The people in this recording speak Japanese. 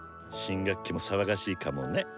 新学期も騒がしいかもね。